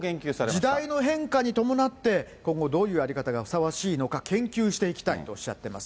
時代の変化に伴って、今後、どういう在り方がふさわしいのか、研究していきたいとおっしゃってます。